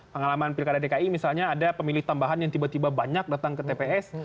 pengalaman pilkada dki misalnya ada pemilih tambahan yang tiba tiba banyak datang ke tps